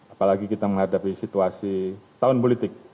apalagi kita menghadapi situasi tahun politik